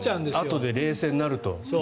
あとで冷静になるとね。